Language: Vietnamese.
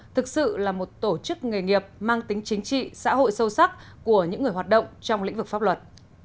thực sự là một tổ chức nghề nghiệp mang tính chính trị xã hội sâu sắc của những người hoạt động trong lĩnh vực pháp luật